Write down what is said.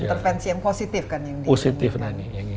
intervensi yang positif kan ini